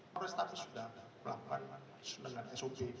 forestavus sudah melakukan dengan sop